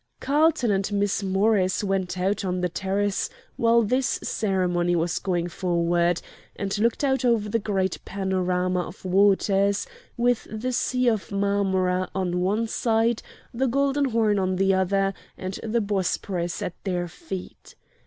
Carlton and Miss Morris went out on to the terrace while this ceremony was going forward, and looked out over the great panorama of waters, with the Sea of Marmora on one side, the Golden Horn on the other, and the Bosporus at their feet.